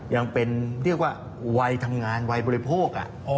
ยังเป็นวัยทำงานวัยบริโภค